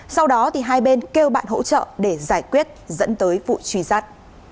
sau đó hai bên kêu bạn hỗ trợ để giải quyết dẫn tới vụ truy sát